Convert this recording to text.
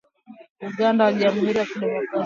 Uganda na Jamhuri ya Kidemokrasi ya Kongo